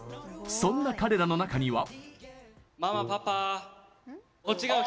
そんな彼らの中には。